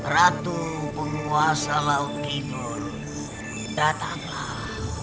ratu penguasa laut timur datanglah